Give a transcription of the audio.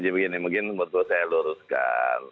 begini mungkin perlu saya luruskan